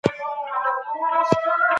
موږ بايد په کوڅې کي له بدو خلکو ځان وساتو.